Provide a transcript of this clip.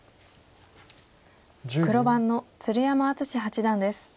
黒番の鶴山淳志八段です。